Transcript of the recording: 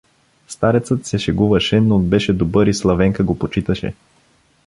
Старецът се шегуваше, но беше добър и Славенка го почиташе.